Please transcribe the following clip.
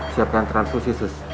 siapkan transkursi sus